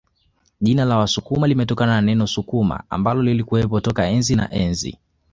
Jina la Wasukuma limetokana na neno Sukuma ambalo lilikuwepo toka enzi na enzi